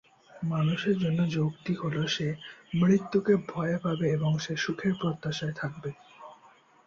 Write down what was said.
মানুষের জন্য যৌক্তিক হলো সে মৃত্যুকে ভয় পাবে এবং সে সুখের প্রত্যাশায় থাকবে।